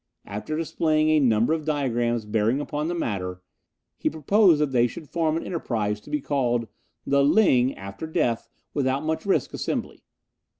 After displaying a number of diagrams bearing upon the matter, he proposed that they should form an enterprise to be called "The Ling (After Death) Without Much Risk Assembly."